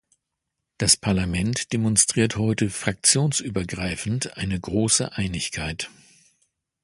Das Parlament demonstriert heute fraktionsübergreifend eine große Einigkeit.